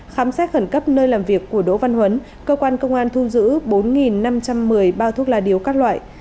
khám xét khẩn cấp nơi làm việc của đỗ văn huấn cơ quan công an thu giữ bốn năm trăm một mươi bao thuốc lá điếu các loại